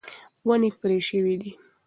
ونې پرې شوې دي.